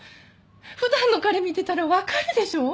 普段の彼見てたらわかるでしょ？